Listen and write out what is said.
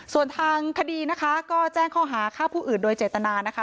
ส่วนทางคดีนะคะก็แจ้งข้อหาฆ่าผู้อื่นโดยเจตนานะคะ